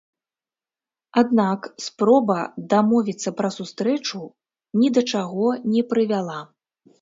Аднак спроба дамовіцца пра сустрэчу ні да чаго не прывяла.